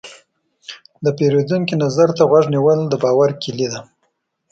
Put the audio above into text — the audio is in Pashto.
د پیرودونکي نظر ته غوږ نیول، د باور کلي ده.